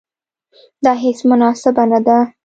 دا هیڅ مناسبه نه ده.